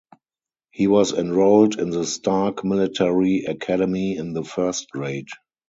He was enrolled in the Stark Military Academy in the first grade.